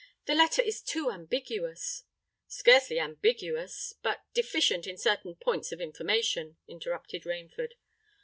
"The letter is too ambiguous——" "Scarcely ambiguous—but deficient in certain points of information," interrupted Rainford.